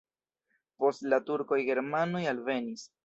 Post la turkoj germanoj alvenis.